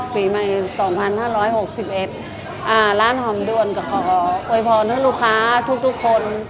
ปีใหม่๒๕๖๑ร้านหอมด้วนก็ขอโวยพรให้ลูกค้าทุกคน